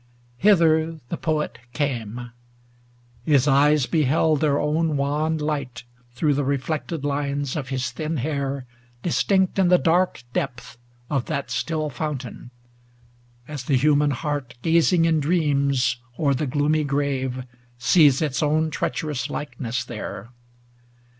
Hither the Poet came. His eyes beheld Their own wan light through the reflected lines 470 Of his thin hair, distinct in the dark depth Of that still fountain ; as the human heart, Gazing in dreams over the gloomy grave, Sees its own treacherous likeness there.